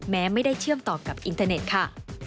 แม้ไม่ได้เชื่อมต่อกับอินเทอร์เน็ตค่ะ